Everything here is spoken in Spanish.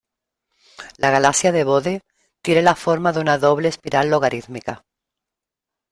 La Galaxia de Bode tiene la forma de una doble espiral logarítmica.